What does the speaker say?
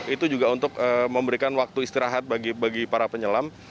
itu juga untuk memberikan waktu istirahat bagi para penyelam